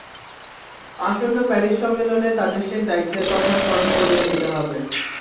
আসন্ন প্যারিস সম্মেলনে তাঁদের সেই দায়িত্বের কথা স্মরণ করিয়ে দিতে হবে।